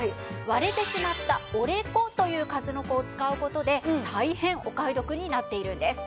割れてしまった折れ子という数の子を使う事で大変お買い得になっているんです。